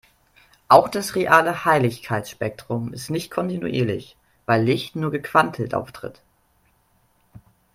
Auch das reale Helligkeitsspektrum ist nicht kontinuierlich, weil Licht nur gequantelt auftritt.